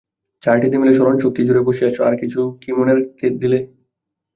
চারটিতে মিলে স্মরণশক্তি জুড়ে বসে আছ, আর কিছু কি মনে রাখতে দিলে?